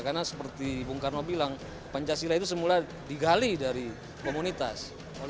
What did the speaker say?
karena seperti bung karno bilang pancasila itu semula digali dari komunitas